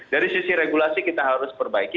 dari sisi regulasi kita harus perbaiki